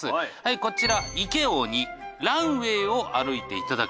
こちらイケ王にランウェイを歩いていただき。